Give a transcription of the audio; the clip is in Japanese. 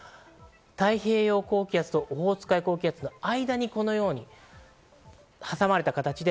太平洋高気圧とオホーツク海高気圧の間に挟まれた状況で、